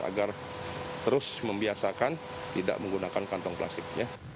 agar terus membiasakan tidak menggunakan kantong plastik